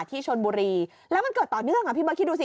ที่ชนบุรีแล้วมันเกิดต่อเนื่องอ่ะพี่เบิร์คิดดูสิ